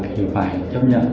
thì phải chấp nhận